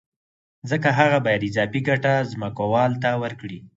ځکه هغه باید اضافي ګټه ځمکوال ته ورکړي